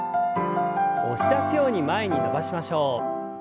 押し出すように前に伸ばしましょう。